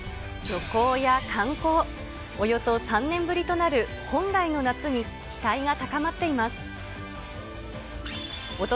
旅行や観光、およそ３年ぶりとなる本来の夏に期待が高まっています。